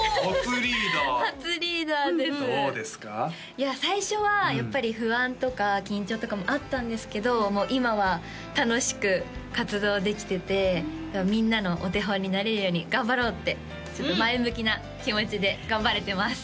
いや最初はやっぱり不安とか緊張とかもあったんですけどもう今は楽しく活動できててみんなのお手本になれるように頑張ろうってちょっと前向きな気持ちで頑張れてます